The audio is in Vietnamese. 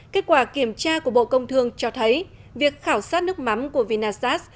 kết quả kiểm tra của bộ công thương cho thấy việc khảo sát nước mắm của vinasas